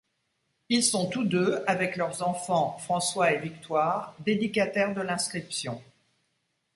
Ils sont tous deux, avec leurs enfants François et Victoire, dédicataires de l'inscription.